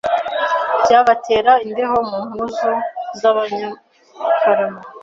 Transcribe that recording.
Ryabatera imbeho mu mpuzu z'Abanyakarama